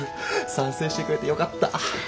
賛成してくれてよかった。